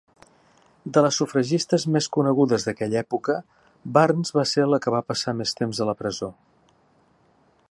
De les sufragistes més conegudes d'aquella època, Burns va ser la que va passar més temps a la presó.